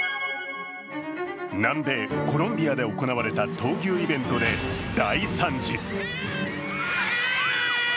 南米コロンビアで行われた闘牛イベントで大惨事。